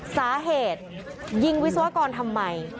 สาเหตุยิงวิศวกรทำไม